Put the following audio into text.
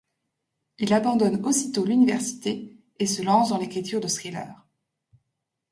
Il abandonne aussitôt l'université et se lance dans l'écriture de thrillers.